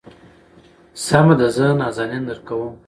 سمه ده زه نازنين درکوم.